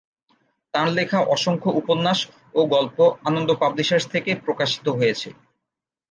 তাঁর লেখা অসংখ্য উপন্যাস ও গল্প আনন্দ পাবলিশার্স থেকে প্রকাশিত হয়েছে।